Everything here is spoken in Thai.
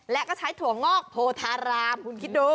และก็ใช้ถั่วงอกโพธารามคุณคิดดู